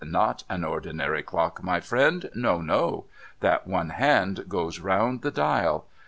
Not an ordinary clock, my friend No, no. That one hand goes round the dial.